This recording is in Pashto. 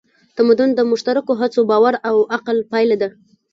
تمدن د مشترکو هڅو، باور او عقل پایله ده.